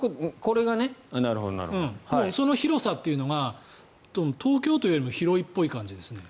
その広さというのが東京都よりも広いっぽい感じですね。